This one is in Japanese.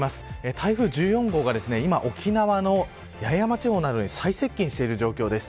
台風１４号が、今、沖縄の八重山地方などに最接近している状況です。